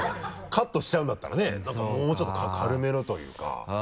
カットしちゃうんだったらねなんかもうちょっと軽めのというか。